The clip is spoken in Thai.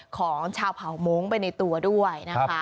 ของชาวเผ่าโม้งไปในตัวด้วยนะคะ